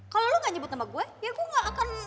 kalau lo gak nyebut nama gue biar gue gak akan